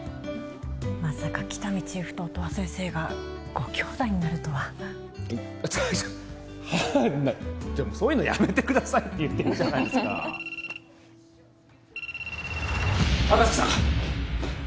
まさか喜多見チーフと音羽先生がご兄弟になるとはちょっちょっとそういうのやめてくださいって言ってるじゃないですか赤塚さん！